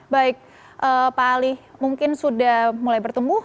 baik pak ali mungkin sudah mulai bertumbuh